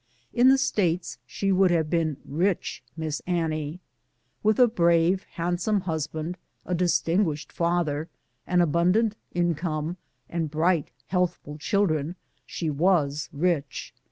In the States she would have been " rich Miss Annie." With a brave, handsome husband, a distin guished father, an abundant income, and bright, health ful children, she was rich.